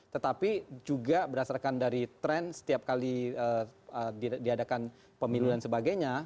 tetapi juga berdasarkan dari tren setiap kali diadakan pemilu dan sebagainya